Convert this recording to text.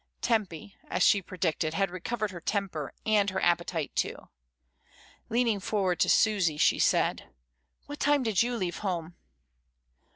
Tempy, as she predicted, had recovered her temper and her appetite too. Leaning forward to Susy, she said, "What time did you leave home?"